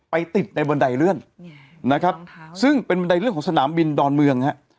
ติดในบันไดเลื่อนนะครับซึ่งเป็นบันไดเลื่อนของสนามบินดอนเมืองฮะ